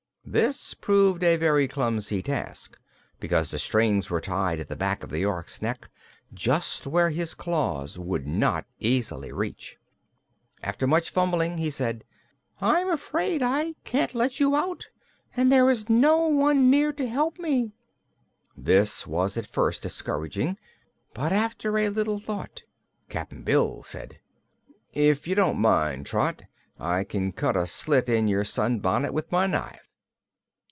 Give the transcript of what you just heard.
This proved a very clumsy task, because the strings were tied at the back of the Ork's neck, just where his claws would not easily reach. After much fumbling he said: "I'm afraid I can't let you out, and there is no one near to help me." This was at first discouraging, but after a little thought Cap'n Bill said: "If you don't mind, Trot, I can cut a slit in your sunbonnet with my knife."